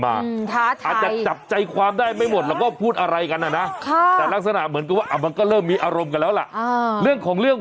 ไม่ต้องไม่ต้องไม่ต้องไม่ต้องไม่ต้องไม่ต้องไม่ต้องไม่ต้อง